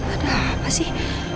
ada apa sih